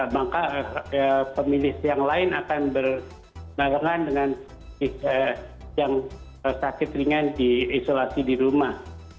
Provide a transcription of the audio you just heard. maka pemilih yang lain akan berbarengan dengan yang sakit ringan di isolasi di rumah